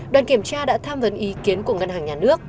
đoàn kiểm tra đã tham vấn ý kiến của ngân hàng nhà nước